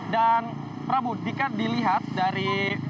dan prabu jika dilihat dari